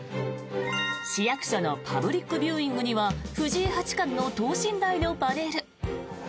市役所のパブリックビューイングには藤井八冠の等身大のパネル。